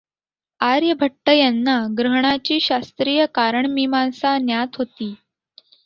आर्यभट्ट यांना ग्रहणाची शास्त्रीय कारणमीमांसा ज्ञात होती.